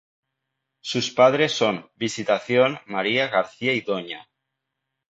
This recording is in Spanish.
Sus padres son Visitación M. García y Dña.